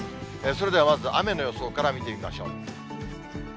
それではまず雨の予想から見てみましょう。